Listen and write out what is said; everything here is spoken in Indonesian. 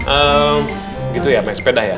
eee gitu ya main sepeda ya